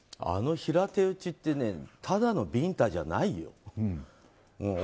あの平手打ちってただのビンタじゃないよ。